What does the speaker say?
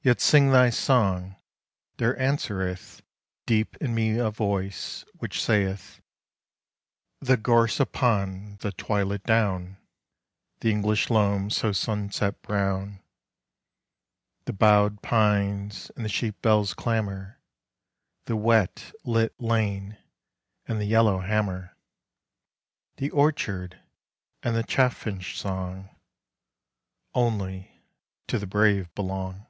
Yet sing thy song: there answereth Deep in me a voice which saith: "_The gorse upon the twilit down, The English loam so sunset brown, The bowed pines and the sheep bells' clamour, The wet, lit lane and the yellow hammer, The orchard and the chaffinch song, Only to the Brave belong.